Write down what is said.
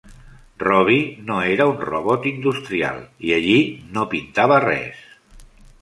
Robbie no era un robot industrial i allí no pintava res.